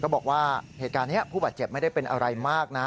บอกว่าเหตุการณ์นี้ผู้บาดเจ็บไม่ได้เป็นอะไรมากนะ